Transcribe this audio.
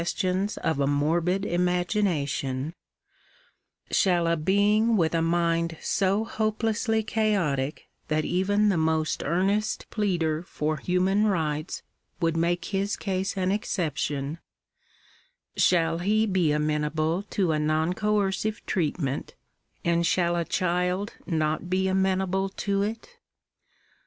tions of a morbid imagination, shall a being with a mind so hopelessly chaotic that even the most earnest pleader for human rights would make his case an exception, shall he be amenable to a non coercive treatment, and shall a child not be amenable to it?